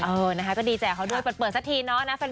เออนะคะก็ดีแจกเขาด้วยเปิดสักทีเนาะนะ